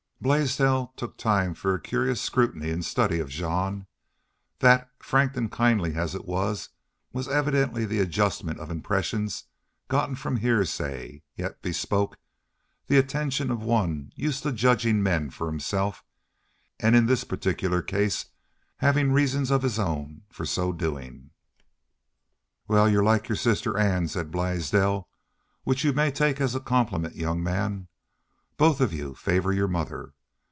Blaisdell took time for a curious scrutiny and study of Jean, that, frank and kindly as it was, and evidently the adjustment of impressions gotten from hearsay, yet bespoke the attention of one used to judging men for himself, and in this particular case having reasons of his own for so doing. "Wal, you're like your sister Ann," said Blaisdell. "Which you may take as a compliment, young man. Both of you favor your mother.